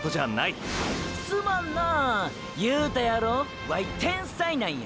すまんなァ言うたやろワイ天才なんや。